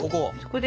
ここ？